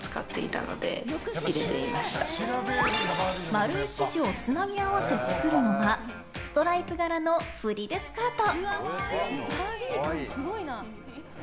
丸い生地をつなぎ合わせ作るのはストライプ柄のフリルスカート。